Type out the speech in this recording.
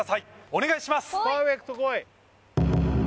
お願いします